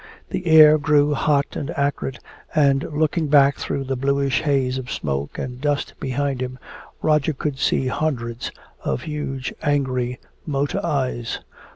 The air grew hot and acrid, and looking back through the bluish haze of smoke and dust behind him Roger could see hundreds of huge angry motor eyes.